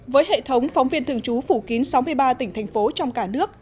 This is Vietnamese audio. với hệ thống phóng viên thường trú phủ kín sáu mươi ba tỉnh thành phố trong cả nước